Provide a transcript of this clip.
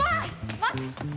待って！